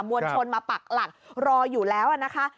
วลชนมาปักหลักรออยู่แล้วนะคะ